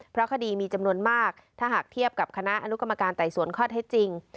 เพราะคดีมีจำนวนมากถ้าหากเทียบกับคณะอนุกรรมการไต่สวนข้อเท็จจริง